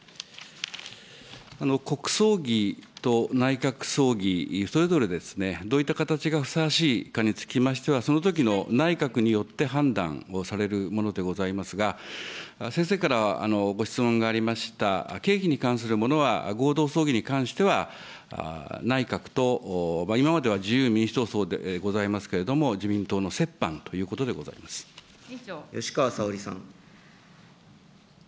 国葬儀と内閣葬儀、それぞれ、どういった形がふさわしいかにつきましては、そのときの内閣によって判断をされるものでございますが、先生からご質問がありました、経費に関するものは、合同葬儀に関しては内閣と、今までは自由民主党葬でございますけれども、自民党の折半という吉川沙織さん。